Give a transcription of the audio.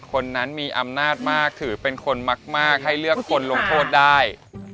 คนนั้นมีอำนาจมากถือเป็นคนมากให้เลือกคนลงโทษได้